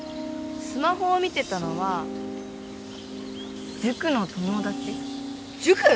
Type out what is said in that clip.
スマホを見てたのは塾の友達塾！？